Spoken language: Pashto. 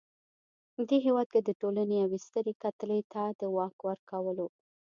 په دې هېواد کې د ټولنې یوې سترې کتلې ته د واک ورکولو.